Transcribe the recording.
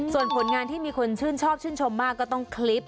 ส่วนผลงานที่มีคนชื่นชอบชื่นชมมากก็ต้องคลิป